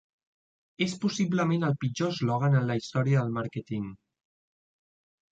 És possiblement el pitjor eslògan en la història del màrqueting.